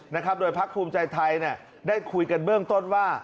นะครับโดยพักภูมิใจไทยเนี่ยได้คุยกันเบื้องต้นว่า